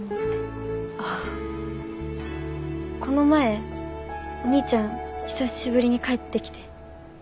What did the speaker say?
この前お兄ちゃん久しぶりに帰ってきて。